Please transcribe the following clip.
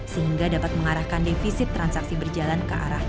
sehingga dapat mengarahkan defisit transaksi berjalan ke arah